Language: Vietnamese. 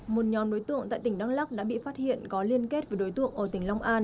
một nhóm đối tượng tại tỉnh đắk lắc đã bị phát hiện có liên kết với đối tượng ở tỉnh long an